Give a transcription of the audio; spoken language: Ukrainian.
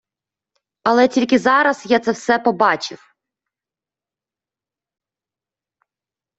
Але тільки зараз я це все побачив